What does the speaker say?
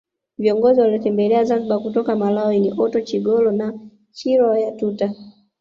Viongozi walotembelea Zanzibar kutoka Malawi ni Orton Chingolo na Chirwa Yatuta